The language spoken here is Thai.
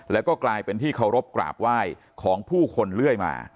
แล้วก็กลายเป็นที่เคารพกราบไหว้ของผู้คนเรื่อยมา